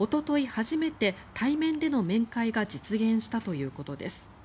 初めて対面での面会が実現したということです。